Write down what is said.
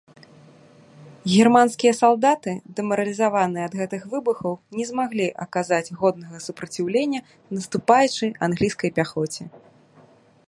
Германскія салдаты, дэмаралізаваныя ад гэтых выбухаў, не змаглі аказаць годнага супраціўлення наступаючай англійскай пяхоце.